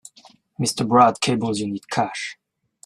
Mr. Brad cables you need cash.